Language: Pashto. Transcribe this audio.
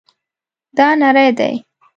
دا نری دی